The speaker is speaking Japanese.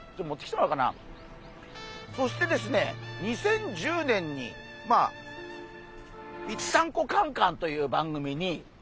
そしてですね２０１０年にまあ「ぴったんこカン・カン」という番組に。